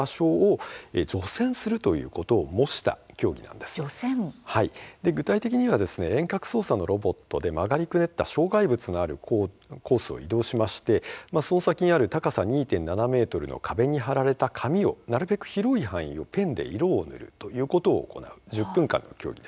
で具体的にはですね遠隔操作のロボットで曲がりくねった障害物のあるコースを移動しましてその先にある高さ２．７ｍの壁に貼られた紙をなるべく広い範囲をペンで色を塗るということを行う１０分間の競技です。